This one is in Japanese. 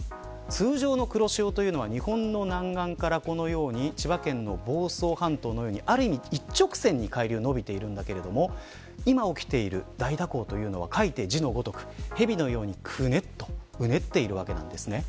通常の黒潮は、日本の南岸から千葉県の房総半島のようにある意味一直線に海流が伸びているんだけれども今、起きている大蛇行というのは書いて字のごとく蛇のようにうねっているわけです。